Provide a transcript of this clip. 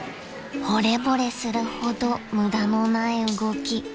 ［ほれぼれするほど無駄のない動き］